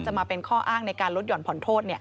มาเป็นข้ออ้างในการลดห่อนผ่อนโทษ